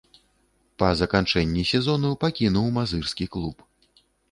Па заканчэнні сезону пакінуў мазырскі клуб.